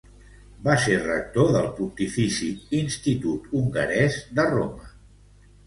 Va ser rector del Pontifici Institut Hongarés de Roma.